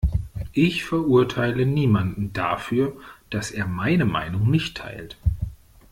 Ich verurteile niemanden dafür, dass er meine Meinung nicht teilt.